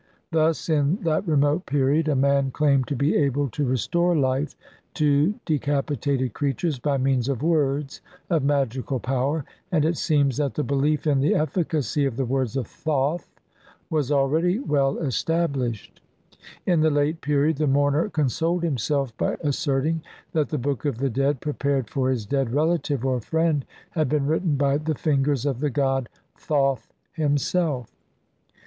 Thus, in that remote period a man claimed to be able to re store life to decapitated creatures by means of words of magical power, and it seems that the belief in the efficacy of the words of Thoth was already well esta blished ; in the late period the mourner consoled him self by asserting that the Book of the Dead prepared for his dead relative or friend had been written by the fingers of the god Thoth himself.